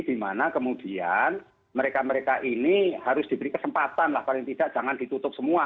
dimana kemudian mereka mereka ini harus diberi kesempatan lah paling tidak jangan ditutup semua